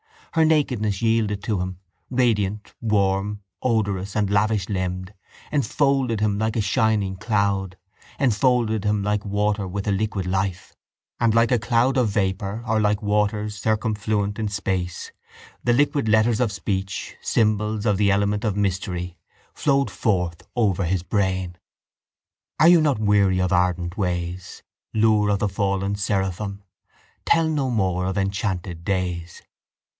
Her nakedness yielded to him, radiant, warm, odorous and lavish limbed, enfolded him like a shining cloud, enfolded him like water with a liquid life; and like a cloud of vapour or like waters circumfluent in space the liquid letters of speech, symbols of the element of mystery, flowed forth over his brain. Are you not weary of ardent ways, Lure of the fallen seraphim? Tell no more of enchanted days.